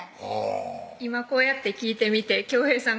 今こうやって聞いてみて恭平さん